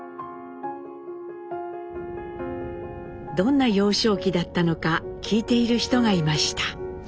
どんな幼少期だったのか聞いている人がいました。